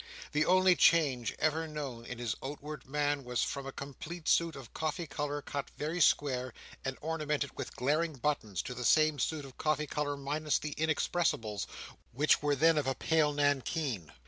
The only change ever known in his outward man, was from a complete suit of coffee colour cut very square, and ornamented with glaring buttons, to the same suit of coffee colour minus the inexpressibles, which were then of a pale nankeen.